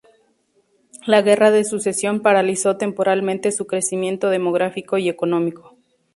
La guerra de Sucesión paralizó temporalmente su crecimiento demográfico y económico.